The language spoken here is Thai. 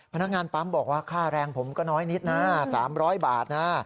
พนักงานปั๊มบอกว่าค่าแรงผมก็น้อยนิดนะ๓๐๐บาทนะ